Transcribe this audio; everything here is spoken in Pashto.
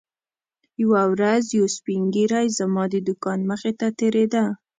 یوه ورځ یو سپین ږیری زما د دوکان مخې ته تېرېده.